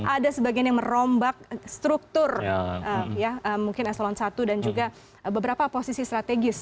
ada sebagian yang merombak struktur mungkin eselon i dan juga beberapa posisi strategis